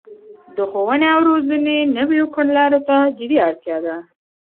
د ښوونې او روزنې نويو کړنلارو ته جدي اړتیا ده